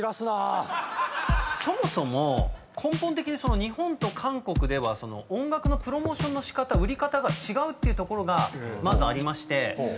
そもそも根本的に日本と韓国では音楽のプロモーションの仕方売り方が違うっていうところがまずありまして。